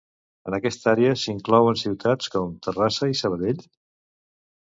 En aquesta àrea s'inclouen ciutats com Terrassa i Sabadell?